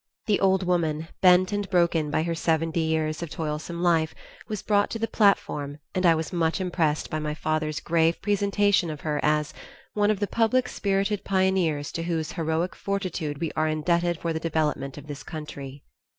The old woman, bent and broken by her seventy years of toilsome life, was brought to the platform and I was much impressed by my father's grave presentation of her as "one of the public spirited pioneers to whose heroic fortitude we are indebted for the development of this country."